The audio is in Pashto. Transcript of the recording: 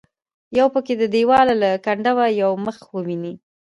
یو پکې د دیواله له کنډوه یو مخ وویني.